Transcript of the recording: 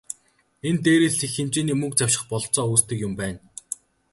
Энэ дээрээс л их хэмжээний мөнгө завших бололцоо үүсдэг юм байна.